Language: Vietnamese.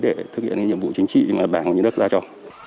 để thực hiện những nhiệm vụ chính trị mà bảng và nhân đất ra cho